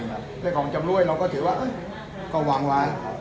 แล้วของจำรวยเราก็ถือว่าเอ้ยก็วางวาย